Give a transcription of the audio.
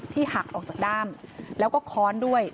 หักออกจากด้ามแล้วก็ค้อนด้วย